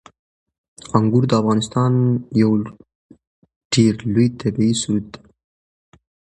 انګور د افغانستان یو ډېر لوی طبعي ثروت دی.